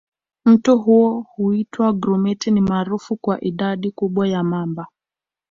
Mto huo huitwa Grumeti ni maarufu kwa idadi kubwa ya mamba